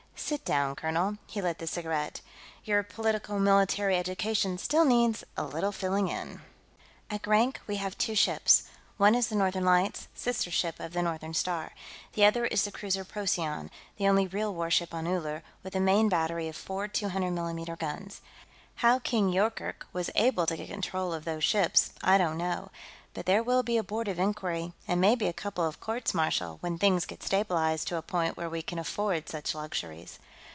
Sit down, colonel." He lit the cigarette. "Your politico military education still needs a little filling in. "At Grank, we have two ships. One is the Northern Lights, sister ship of the Northern Star. The other is the cruiser Procyon, the only real warship on Uller, with a main battery of four 200 mm guns. How King Yoorkerk was able to get control of those ships I don't know, but there will be a board of inquiry and maybe a couple of courts martial, when things get stabilized to a point where we can afford such luxuries.